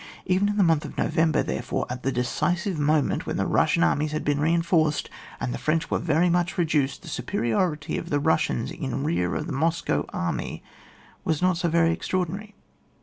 Even in the month of November, therefore, at the decisive moment when the Bussian armies had been reinforced, and the French were very much reduced, the superiority of the Bussians in rear of the Moscow army was not so very extra ordinary.